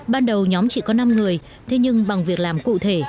ban đầu nhóm chỉ có năm người thế nhưng bằng việc làm cụ thể